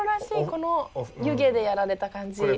この湯気でやられた感じ。